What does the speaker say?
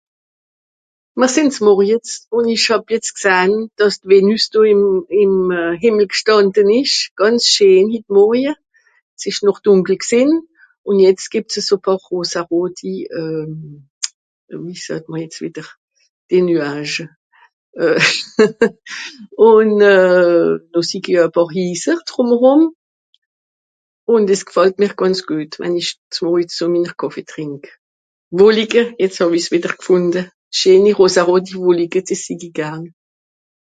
mer sìn s'morjes ùn esch hàb jetz gsahn dàss Venüs do ìm ìm Hìmmel do g'stànde esch gànz scheen hit morje s'eshc noch dùnkel gsìn ùn jetz geb's à so rosaroti euh wie sàt mr jetz wìtter des nuages euh ùn euh do sig i euj à pàar hiisse drùmerùm ùn des g'fàllt mr gànz geut wann isch s'morjes zu minner kàffee trìnk wollige jetz hàwis witter g'fùnde scheeni rosaroti wollige des sig'i garn